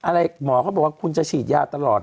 อะไรหมอเขาบอกว่าคุณจะฉีดยาตลอด